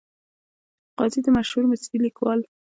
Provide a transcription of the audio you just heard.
قاضي د مشهور مصري لیکوال .